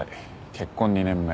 結婚２年目。